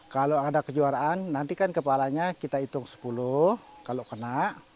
kalau ada kejuaraan nanti kan kepalanya kita hitung sepuluh kalau kena